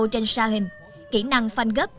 trên xa hình kỹ năng phanh gấp